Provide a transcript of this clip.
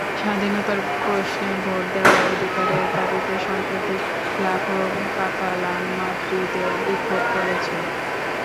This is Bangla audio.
স্বাধীনতার প্রশ্নে ভোট দেওয়ার অধিকারের দাবিতে সম্প্রতি লাখো কাতালান মাদ্রিদে বিক্ষোভ করেছে।